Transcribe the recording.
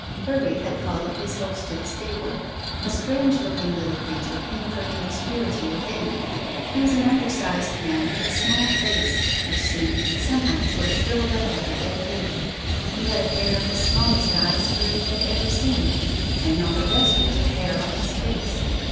Hervey had followed his host to the stable. A strange looking little creature came from the obscurity within. He was an undersized man with a small face, which seemed somehow to have shrivelled up like a dead leaf. He had a pair of the smallest eyes Hervey had ever seen, and not a vestige of hair on his face.